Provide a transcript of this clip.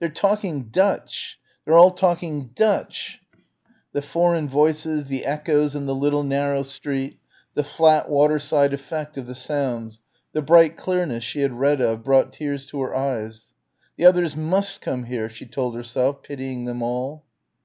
"They're talking Dutch! They're all talking Dutch!" The foreign voices, the echoes in the little narrow street, the flat waterside effect of the sounds, the bright clearness she had read of, brought tears to her eyes. "The others must come here," she told herself, pitying them all.